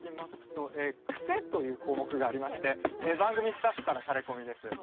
くせという項目がありまして番組スタッフからのタレコミです。